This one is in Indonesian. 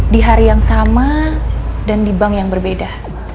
di hari yang sama dan di bank yang berbeda